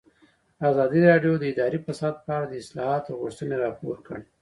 ازادي راډیو د اداري فساد په اړه د اصلاحاتو غوښتنې راپور کړې.